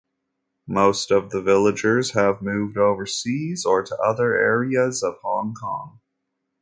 Most of the villagers have moved overseas or to other areas of Hong Kong.